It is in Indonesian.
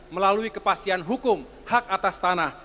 melalui kepastian hukum hak atas tanah